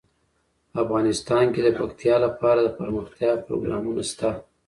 افغانستان کې د پکتیا لپاره دپرمختیا پروګرامونه شته.